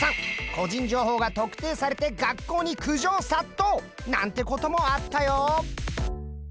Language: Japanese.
個人情報が特定されて学校の苦情殺到なんてこともあったよ。